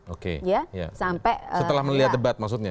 oke sampai setelah melihat debat maksudnya